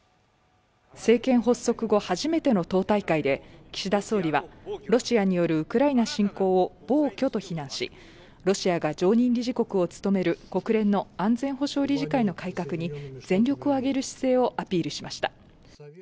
政権発足後初めての党大会で岸田総理は、ロシアによるウクライナ侵攻を暴挙と非難し、ロシアが常任理事国を務める国連の安全保障理事会の改革に全力を挙げる姿勢をアピールしました。